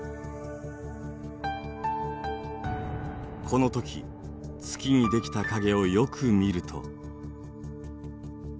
この時月に出来た影をよく見ると。